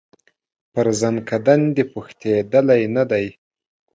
پر زکندن دي پوښتېدلی نه دی